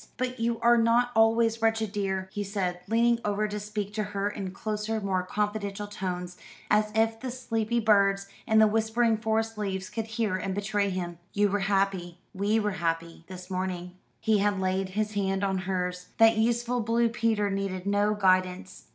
But you are not always wretched, dear," he said, leaning over to speak to her in closer, more confidential tones, as if the sleepy birds and the whispering forest leaves could hear and betray him. "You were happy we were happy this morning." He had laid his hand on hers. That useful Blue Peter needed no guidance.